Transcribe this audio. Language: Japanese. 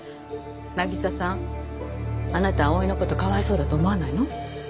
凪咲さんあなた碧唯の事かわいそうだと思わないの？